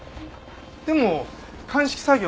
でも鑑識作業